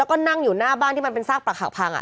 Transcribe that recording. แล้วก็นั่งอยู่หน้าบ้านที่มันเป็นซากประหักพัง